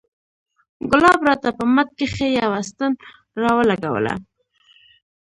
ګلاب راته په مټ کښې يوه ستن راولګوله.